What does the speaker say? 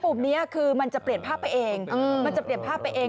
ปุ่มนี้คือปุ่มจะเปลี่ยนภาพไปเอง